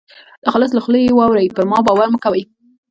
د خالص له خولې یې واورۍ پر ما باور مه کوئ.